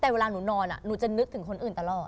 แต่เวลาหนูนอนหนูจะนึกถึงคนอื่นตลอด